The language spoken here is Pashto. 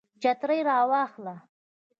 چترۍ را واخله